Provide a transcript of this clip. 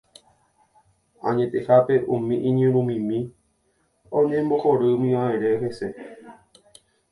Añetehápe umi iñirũmimi oñembohorýmivaʼerã hese.